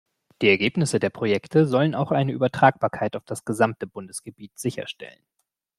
Die Ergebnisse der Projekte sollen auch eine Übertragbarkeit auf das gesamte Bundesgebiet sicherstellen.